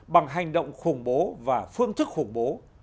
bằng hành động khủng bố và phương thức khủng bố